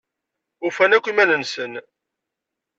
Ufan akk iman-nsen.